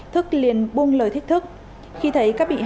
thức liền buông lời thích thức